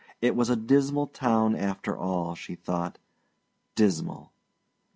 It was a dismal town after all, she though, dismal.